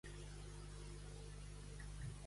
De quina forma ho fa?